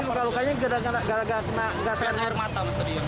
kalau luka lukanya tidak terkena gas air mata